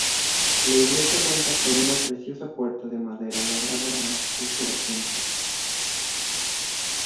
La iglesia cuenta con una preciosa puerta de madera labrada de acceso al templo.